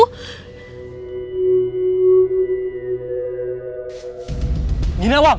kau tidak peduli dengan perasaanku